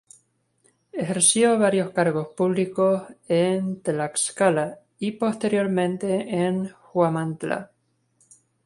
Ejerció varios cargos públicos en Tlaxcala y posteriormente en Huamantla.